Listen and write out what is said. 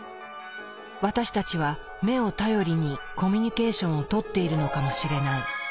私たちは目を頼りにコミュニケーションをとっているのかもしれない。